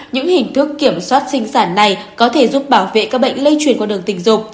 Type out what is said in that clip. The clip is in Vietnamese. những hình thức kiểm soát sinh sản này có thể giúp bảo vệ các bệnh lây truyền qua đường tình dục